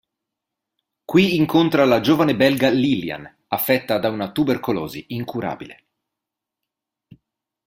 Qui incontra la giovane belga Lillian, affetta da una tubercolosi incurabile.